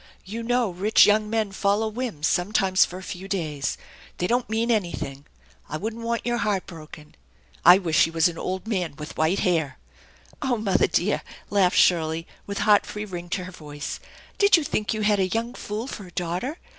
"You know rich young men follow whims sometimes for a few days. They don't mean anything. I wouldn't want your heart broken. I wish he was an old man with white hair." " Oh mother dear !" laughed Shirley with heart free ring to her voice, "did you think you had a young fool for a daughter?